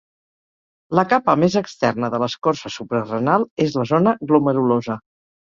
La capa més externa de l'escorça suprarenal és la zona glomerulosa.